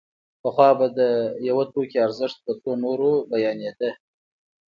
پخوا به د یو توکي ارزښت په څو نورو بیانېده